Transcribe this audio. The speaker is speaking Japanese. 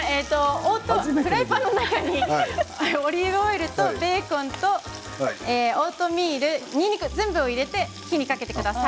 フライパンの中にオリーブオイルとベーコンとオートミール、にんにくを全部入れて火にかけてください。